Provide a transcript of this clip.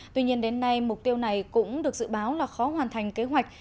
tuy nhiên đến nay mục tiêu này cũng được dự báo là khó hoàn thành kế hoạch